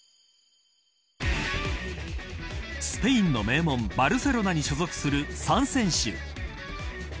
スペインの名門バルセロナに所属する３選手。